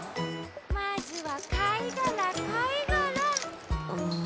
まずはかいがらかいがら。